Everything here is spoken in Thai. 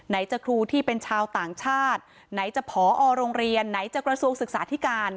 ไหนจะครูที่เป็นชาวต่างชาติไหนจะผอโรงเรียนไหนจะกระทรวงศึกษาธิการ